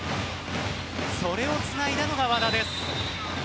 それをつないだのが和田です。